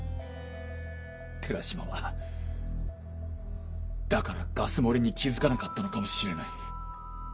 寺島はだからガス漏れに気付かなかったのかもしれない。